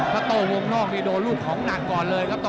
เขาตกวงนอกโดนลูกของหนักก่อนเลย